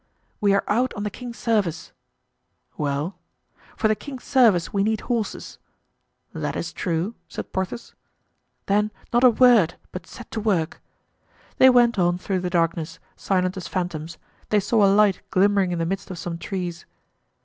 "We are out on the king's service." "Well?" "For the king's service we need horses." "That is true," said Porthos. "Then not a word, but set to work!" They went on through the darkness, silent as phantoms; they saw a light glimmering in the midst of some trees.